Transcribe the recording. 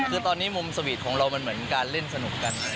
คือตอนนี้มุมสวีทของเรามันเหมือนการเล่นสนุกกัน